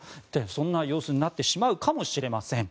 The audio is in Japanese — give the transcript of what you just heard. そんな様子になってしまうかもしれません。